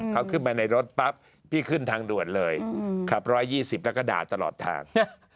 เขาขึ้นมาในรถปั๊บพี่ขึ้นทางด่วนเลยขับ๑๒๐แล้วก็ด่าตลอดทาง